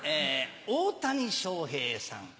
大谷翔平さん。